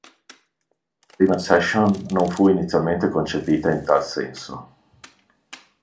La prima session non fu inizialmente concepita in tal senso.